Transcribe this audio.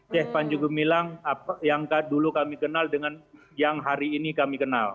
cek panji gumilang yang dulu kami kenal dengan yang hari ini kami kenal